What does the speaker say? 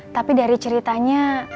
tapi dari ceritanya